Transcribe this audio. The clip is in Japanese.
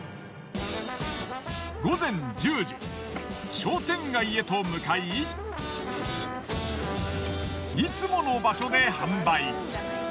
午前１０時商店街へと向かいいつもの場所で販売。